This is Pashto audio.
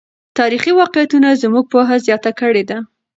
تاریخي واقعیتونه زموږ پوهه زیاته کړې ده.